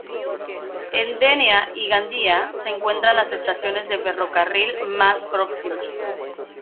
En Denia y Gandía se encuentran las estaciones de ferrocarril más próximas.